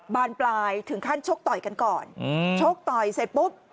บานปลายถึงขั้นชกต่อยกันก่อนอืมชกต่อยเสร็จปุ๊บ